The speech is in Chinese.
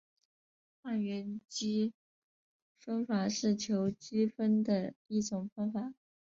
换元积分法是求积分的一种方法。